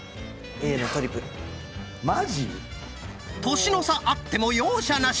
⁉年の差あっても容赦なし！